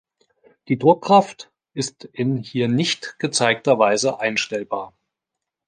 Die Druckkraft ist in hier nicht gezeigter Weise einstellbar.